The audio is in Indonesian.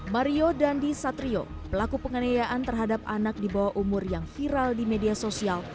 mario dandi satrio pelaku penganiayaan terhadap anak di bawah umur yang viral di media sosial